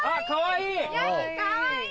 かわいい！